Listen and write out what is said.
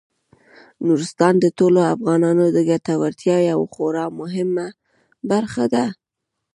نورستان د ټولو افغانانو د ګټورتیا یوه خورا مهمه برخه ده.